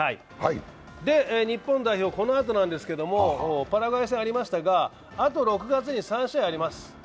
日本代表、このあとですが、パラグアイ戦ありましたが、あと６月に３試合あります。